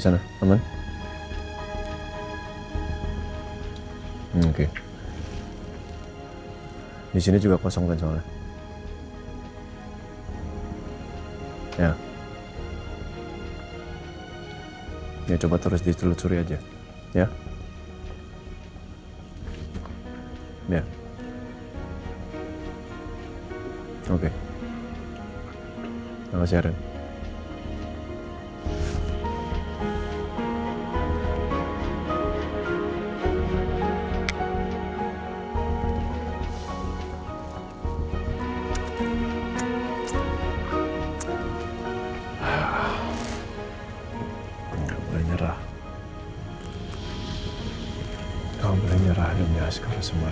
enggak boleh nyerah